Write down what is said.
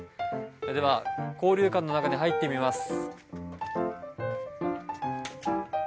では交流館の中に入ってみます。